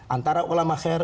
antara ulama khair